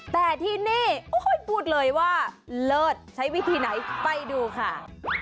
แต่ที่นี่พูดเลยว่าเลิศใช้วิธีไหนไปดูค่ะ